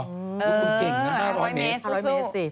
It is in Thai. ห้าร้อยเมตรสู้